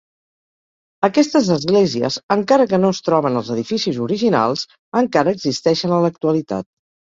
Aquestes esglésies, encara que no es troben als edificis originals, encara existeixen a l"actualitat.